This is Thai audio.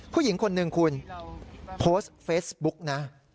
ผู้หญิงคนหนึ่งคุณโพสต์เฟซบุ๊กนะ